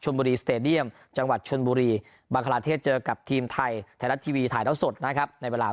เยี่ยมจังหวัดบรรคาลาธิตเจอกับทีมไทยแทนรัฐทีวีถ่ายเถ้าสดนะครับในเวลา